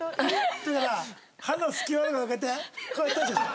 だから歯の隙間とかにこうやってこうやったんじゃない？